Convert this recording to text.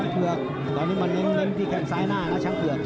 เผือกตอนนี้มาเน้นที่แข่งซ้ายหน้านะช้างเผือก